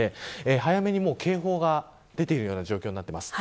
早めに警報が出ているような状況になります。